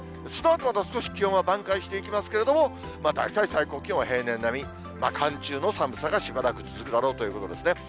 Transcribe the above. そのあとまた少し気温は挽回していきますけれども、大体最高気温は平年並み、寒中の寒さがしばらく続くということです。